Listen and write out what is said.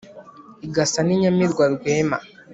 Igasa n' Inyamibwa rwema